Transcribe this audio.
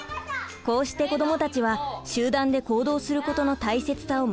こうして子どもたちは集団で行動することの大切さを学びます。